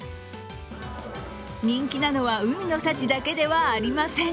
人気なのは海の幸だけではありません。